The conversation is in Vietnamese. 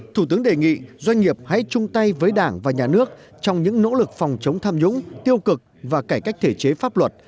thủ tướng đề nghị doanh nghiệp hãy chung tay với đảng và nhà nước trong những nỗ lực phòng chống tham nhũng tiêu cực và cải cách thể chế pháp luật